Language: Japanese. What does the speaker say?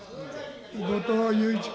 後藤祐一君。